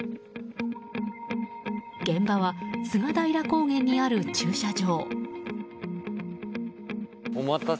現場は菅平高原にある駐車場。